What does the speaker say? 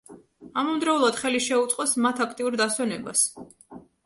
ამავდროულად ხელი შეუწყოს მათ აქტიურ დასვენებას.